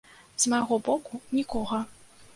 З майго боку нікога!